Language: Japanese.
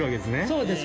そうです。